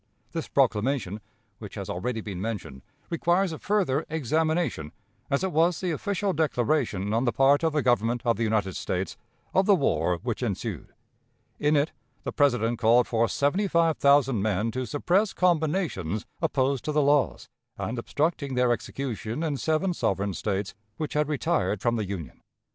This proclamation, which has already been mentioned, requires a further examination, as it was the official declaration, on the part of the Government of the United States, of the war which ensued. In it the President called for seventy five thousand men to suppress "combinations" opposed to the laws, and obstructing their execution in seven sovereign States which had retired from the Union.